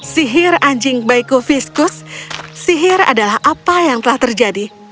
sihir anjing baiku fiskus sihir adalah apa yang telah terjadi